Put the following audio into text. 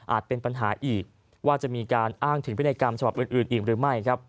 เป็นปัญหาอีกว่าจะมีการอ้างถึงพินัยกรรมฉบับอื่นอีกหรือไม่